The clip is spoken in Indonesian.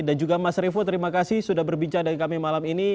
dan juga mas revo terima kasih sudah berbincang dengan kami malam ini